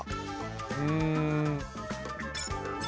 うん。